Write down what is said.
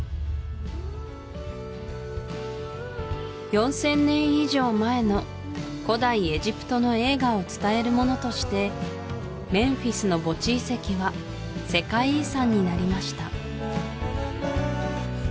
４０００年以上前の古代エジプトの栄華を伝えるものとしてメンフィスの墓地遺跡は世界遺産になりました